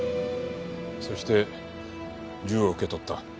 そして銃を受け取った？